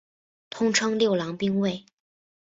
通称六郎兵卫。